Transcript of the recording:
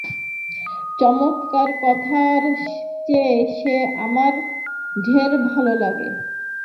চমৎকার কথার চেয়ে সে আমার ঢের ভালো লাগে।